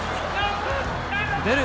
出る。